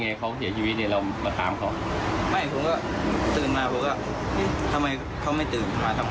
ผมก็เรียกพี่พี่พี่พี่เขาก็โทรมาให้ไปเรียกคนมาดู